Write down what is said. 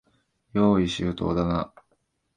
用意周到だな。